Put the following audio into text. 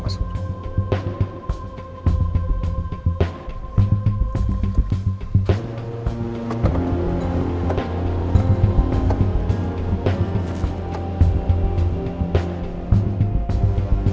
ada hasil permanent